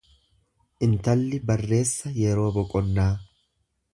Intalli barreessa yeroo boqonnaa.